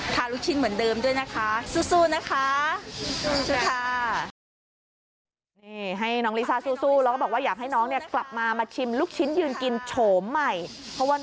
ลูกชิ้นเหมือนเดิมด้วยนะคะสู้นะคะ